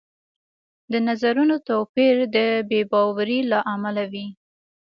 د نظرونو توپیر د بې باورۍ له امله وي